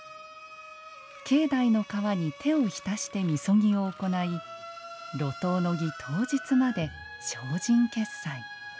境内の川に手を浸してみそぎを行い路頭の儀当日まで精進潔斎。